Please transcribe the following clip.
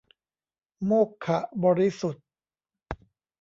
โมกขบริสุทธิ์